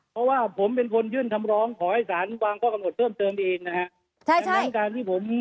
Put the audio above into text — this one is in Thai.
เพราะว่าผมเป็นคนยื่นทำร้องขอให้ศาลวางข้อกำหนดเพิ่มเติมเองนะครับ